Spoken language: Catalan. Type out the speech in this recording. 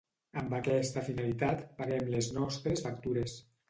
Amb aquesta finalitat, paguem les nostres factures.